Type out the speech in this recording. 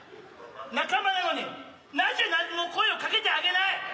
仲間なのになじぇ何も声を掛けてあげない？